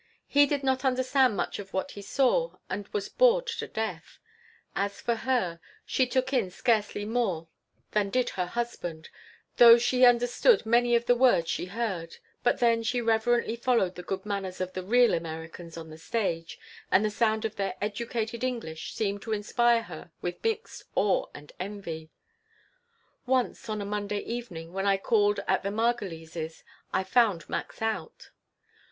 He did not understand much of what he saw and was bored to death. As for her, she took in scarcely more than did her husband, though she understood many of the words she heard, but then she reverently followed the good manners of the "real Americans" on the stage, and the sound of their "educated" English seemed to inspire her with mixed awe and envy Once, on a Monday evening, when I called on the Margolises, I found Max out.